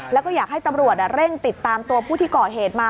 แล้วก็อยากให้ตำรวจเร่งติดตามตัวผู้ที่ก่อเหตุมา